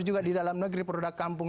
juga di dalam negeri produk kampung